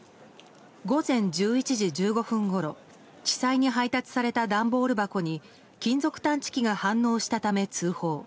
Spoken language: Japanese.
午前１１時１５分ごろ地裁に配達された段ボール箱に金属探知機が反応したため通報。